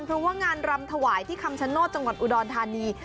เพราะว่างานรำถวายที่คำชโนธจังหวัดอุดรธานี